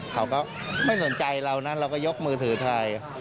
เขาก็ไม่สนใจเรานะเราก็ยกมือถือถ่าย